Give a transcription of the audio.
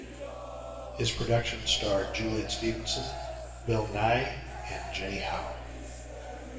His production starred Juliet Stevenson, Bill Nighy and Jenny Howe.